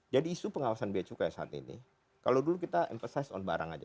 jadi isu pengawasan biaya cukai saat ini kalau dulu kita emphasize on barang aja